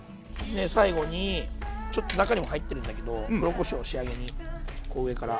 最後にちょっと中にも入ってるんだけど黒こしょう仕上げにこう上から。